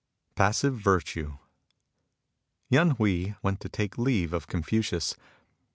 PASSIVE VIRTUE Yen Hui * went to take leave of Confucius.